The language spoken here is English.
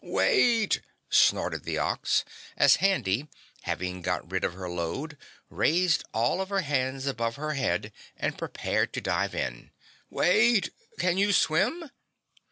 "Wait!" snorted the Ox, as Handy, having got rid of her load, raised all of her hands above her head and prepared to dive in. "Wait, can you swim?"